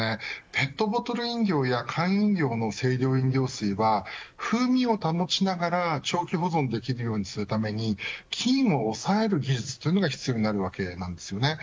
ペットボトル飲料や缶飲料の清涼飲料水は風味を保ちながら長期保存できるようにするために菌を抑える技術というのが必要になるんです。